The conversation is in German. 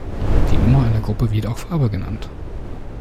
Die Nummer einer Gruppe wird auch Farbe genannt.